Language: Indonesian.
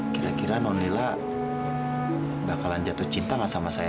kira kira non lila bakalan jatuh cinta gak sama saya